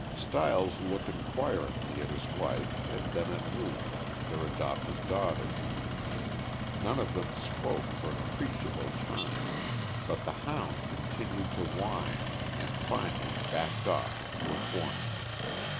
Stiles looked inquiringly at his wife and then at Ruth, their adopted daughter. None of them spoke for an appreciable time, but the hound continued to whine and finally backed off into a corner.